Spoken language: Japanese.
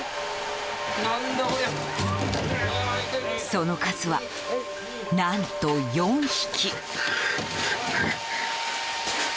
その数は、何と４匹。